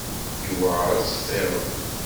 Yewɛer ad textireḍ.